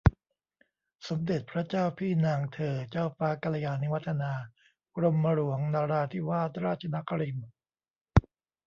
สมเด็จพระเจ้าพี่นางเธอ เจ้าฟ้ากัลยาณิวัฒนา กรมหลวงนราธิวาสราชนครินทร์